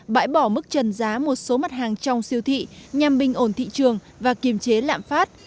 bãi bỏ mức trần giá một số mặt hàng trong siêu thị nhằm bình ổn thị trường và kiềm chế lạm phát